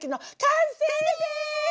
完成です！